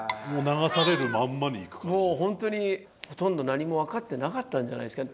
ほとんど何も分かってなかったんじゃないですかね。